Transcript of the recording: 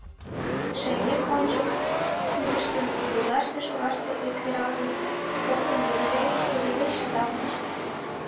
Шеҥгек-ончык кӱтыштын, пурлаште-шолаште эскералтын, коктын йыгыре кудывечыш савырнышт.